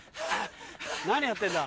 何やってんだ？